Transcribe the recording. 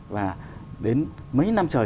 và đến mấy năm trời